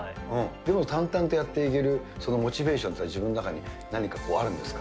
でも淡々とやっていけるモチベーションっていうのは自分の中に何かこうあるんですか。